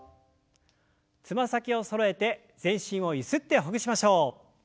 つま先をそろえて全身をゆすってほぐしましょう。